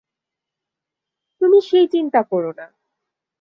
তুমি সেই চিন্তা কোরো না!